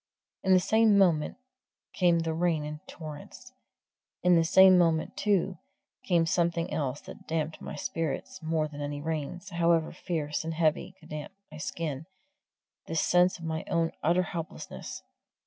In the same moment came the rain in torrents. In the same moment, too, came something else that damped my spirits more than any rains, however fierce and heavy, could damp my skin the sense of my own utter helplessness.